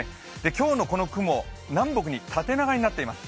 今日のこの雲、南北に縦長になっています。